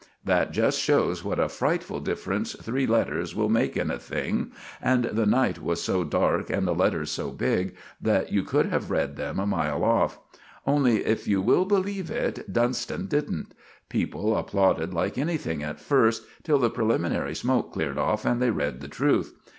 That just shows what a frightful difference three letters will make in a thing; and the night was so dark and the letters so big that you could have read them a mile off. Only, if you will believe it, Dunston didn't. People applauded like anything at first, till the preliminary smoke cleared off and they read the truth.